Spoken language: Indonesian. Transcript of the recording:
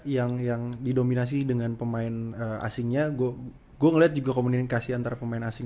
yang yang didominasi dengan pemain asingnya gua gua ngeliat juga komunikasi antara pemain asing